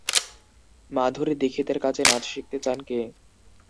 মাধুরী দীক্ষিতের কাছে নাচ শিখতে চান কে?